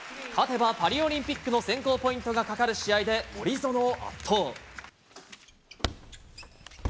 勝てばパリオリンピックの選考ポイントがかかる試合で、森薗を圧倒。